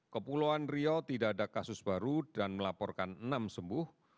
kepulauan riau tidak ada kasus baru dan melaporkan enam sembuh